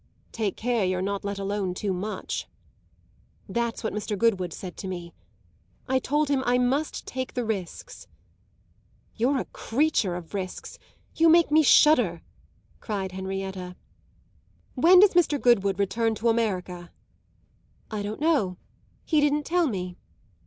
"Take care you're not let alone too much." "That's what Mr. Goodwood said to me. I told him I must take the risks." "You're a creature of risks you make me shudder!" cried Henrietta. "When does Mr. Goodwood return to America?" "I don't know he didn't tell me."